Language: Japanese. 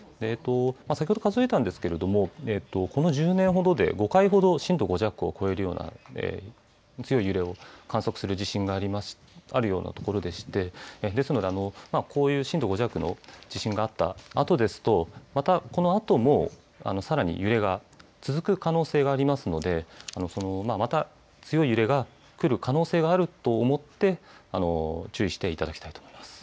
先ほど数えたんですけれどもこの１０年ほどで５回ほど震度５弱を超えるような強い揺れを観測する地震があるようなところでして、ですのでこういう震度５弱の地震があったあとですとまた、このあともさらに揺れが続く可能性がありますのでまた強い揺れが来る可能性があると思って注意していただきたいと思います。